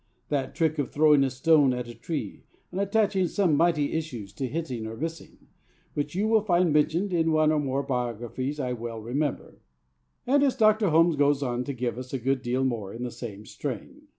That trick of throwing a stone at a tree and attaching some mighty issues to hitting or missing, which you will find mentioned in one or more biographies, I well remember.' And Dr. Holmes goes on to give us a good deal more in the same strain.